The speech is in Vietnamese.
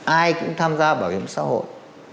ai cũng tham gia bảo hiểm xã hội